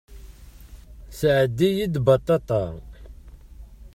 Sɛeddi-yi-d baṭaṭa.